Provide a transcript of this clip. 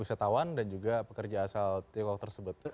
wisatawan dan juga pekerja asal tiongkok tersebut